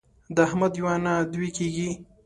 د احمد یوه نه دوې کېږي.